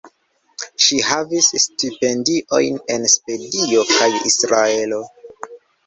Ŝi havis stipendiojn en Svedio kaj Israelo.